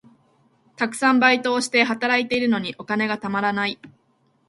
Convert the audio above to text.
たくさんバイトをして、働いているのにお金がたまらない。